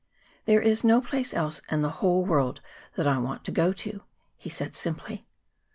"There is no place else in the whole world that I want to go to," he said simply.